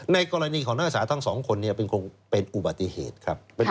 ในกรณีของนักศึกษาทั้งสองคนเป็นอุบัติเหตุครับ